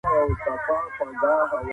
دوهم لامل ټولنیزه بیا کتنه ګڼل کيږي.